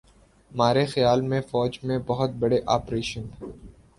مارے خیال میں فوج میں بہت بڑے آپریشن